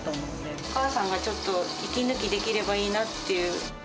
お母さんがちょっと息抜きできればいいなっていう。